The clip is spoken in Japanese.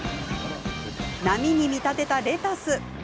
波に見立てたレタス。